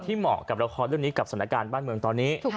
เหมาะกับละครเรื่องนี้กับสถานการณ์บ้านเมืองตอนนี้